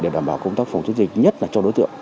để đảm bảo công tác phòng chống dịch nhất là cho đối tượng